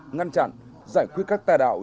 ngăn chặn giải quyết các tài đạo